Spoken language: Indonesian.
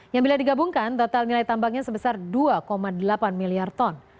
yang bila digabungkan total nilai tambangnya sebesar dua delapan miliar ton